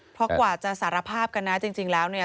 เพราะกว่าจะสารภาพกันนะจริงแล้วเนี่ย